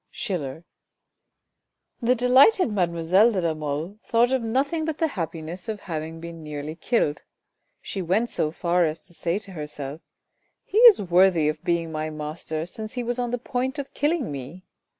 — Schiller. The delighted mademoiselle de la Mole thought of nothing but the happiness of having been nearly killed. She went so far as to say to herself, " he is worthy of being my master since he was on the point of killing me.